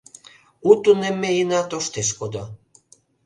— У тунемме ийна тоштеш кодо.